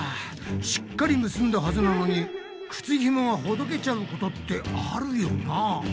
しっかり結んだはずなのに靴ひもがほどけちゃうことってあるよな。